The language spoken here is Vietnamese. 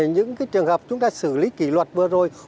những trường hợp chúng ta xử lý kỷ luật vừa rồi